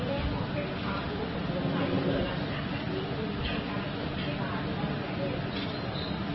สุดท้ายจะใช้สารเลวรับร่ำเหลือ๑เดือน